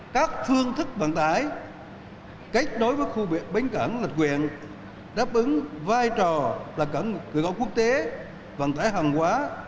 các phương thức vận tải kết nối với khu bến cảng lịch quyền đáp ứng vai trò là cảng container quốc tế vận tải hàng hóa